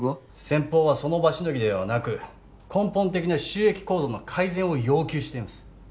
先方はその場しのぎではなく根本的な収益構造の改善を要求しています